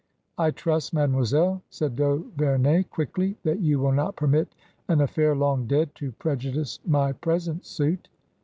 "I trust, mademoiselle," said d'Auverney, quickly, "that you will not permit an aflfair long dead to preju dice my present suit."